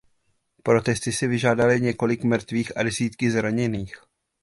Protesty si vyžádaly několik mrtvých a desítky zraněných.